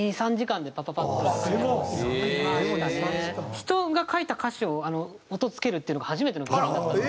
人が書いた歌詞を音つけるっていうのが初めての試みだったので。